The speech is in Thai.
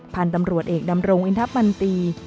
พันธุ์ตำรวจเอกดำรงอินทะมันตี